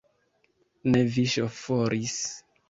Ne vi ŝoforis!